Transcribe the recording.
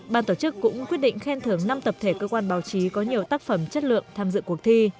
ban tổ chức cũng quyết định khen thưởng năm tập thể cơ quan báo chí có nhiều tác phẩm chất lượng tham dự cuộc thi